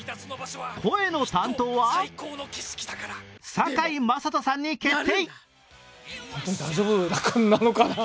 声の担当は堺雅人さんに決定。